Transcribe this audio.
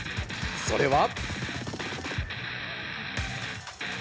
それは。